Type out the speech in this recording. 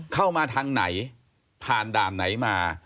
เข้ามาทางไหนผ่านด่านไหนมา